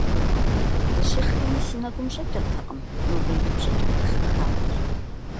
Дыщышхэми си нэгум щӀэкӀыртэкъым нобэ идупщӀыкӀа жыг хадэр.